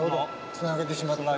つなげてしまった。